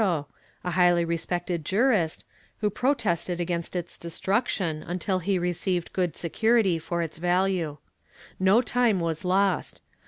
He was the Licentiate Barquero, a highly respected jurist, who protested against its destruction until he received good security for its value. No time was lost.